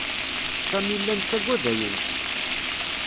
Sami llan saggadayent.